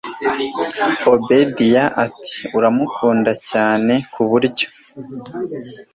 obedia ati uramukunda cyane kuburyo